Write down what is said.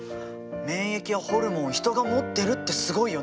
免疫やホルモンを人が持ってるってすごいよね！